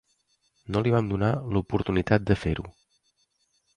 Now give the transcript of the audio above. No li vam donar l'oportunitat de fer-ho.